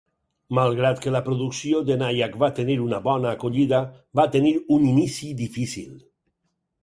Malgrat que la producció de Nyack va tenir una bona acollida, va tenir un inici difícil.